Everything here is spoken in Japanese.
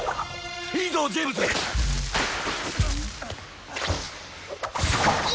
いいぞジェームズう